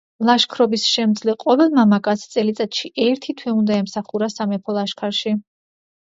ლაშქრობის შემძლე ყოველ მამაკაცს წელიწადში ერთი თვე უნდა ემსახურა სამეფო ლაშქარში.